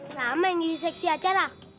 rama yang jadi seksi acara